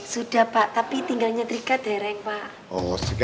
sudah pak tapi tinggalnya tiga dereng pak